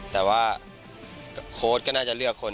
แต่ว่าโค้ดก็น่าจะเลือกคน